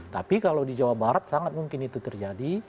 tapi kalau di jawa barat sangat mungkin itu terjadi